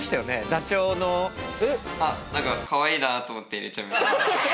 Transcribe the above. ダチョウのあ何かかわいいなと思って入れちゃいました